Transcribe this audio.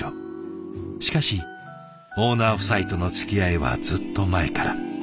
しかしオーナー夫妻とのつきあいはずっと前から。